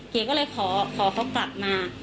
เก๋ก็เลยขอเขากลับมา